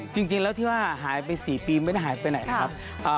จริงแล้วที่ว่าหายไป๔ปีไม่ได้หายไปไหนนะครับ